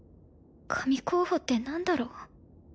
神候補って何だろう